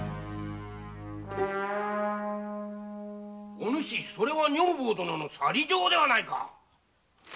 お主それは女房殿の去り状ではないか？